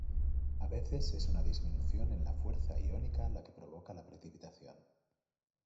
A veces es una disminución en la fuerza iónica la que provoca la precipitación.